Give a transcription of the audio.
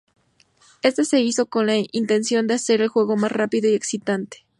Esto se hizo con la intención de hacer el juego más rápido y excitante.